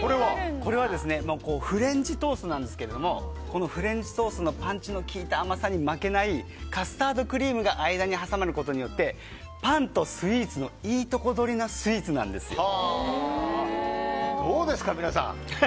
これはフレンチトーストなんですけどもフレンチトーストの甘さのパンチに負けないカスタードクリームが間に挟まることによってパンとスイーツのいいとこ取りのスイーツなんですよ。